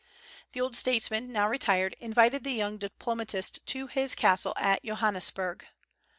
The old statesman, now retired, invited the young diplomatist to his castle at Johannisberg.